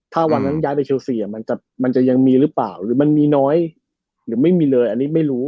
ถ้าวันนั้นย้ายไปเชลซีมันจะยังมีหรือเปล่าหรือมันมีน้อยหรือไม่มีเลยอันนี้ไม่รู้